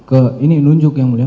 ke ini lunjuk ya mulia